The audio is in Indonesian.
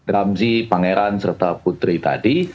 ramsy pangeran serta putri tadi